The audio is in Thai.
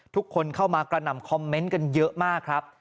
ทุกคนเข้ามากระหน่ำคอมเมนต์กันเยอะมากครับ